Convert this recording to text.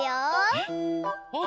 えっ！